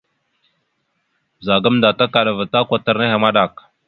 Ɓəza gamənda takaɗava ta kwatar nehe maɗak.